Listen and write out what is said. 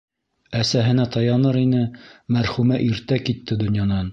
Әсәһенә таяныр ине - мәрхүмә иртә китте донъянан.